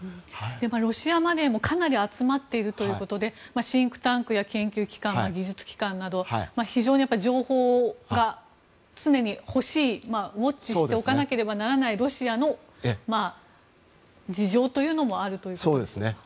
ロシアマネーもかなり集まっているということでシンクタンクや研究機関や技術機関など非常に情報が常に欲しいウォッチしておかなければならないロシアの事情というのもあるということですね。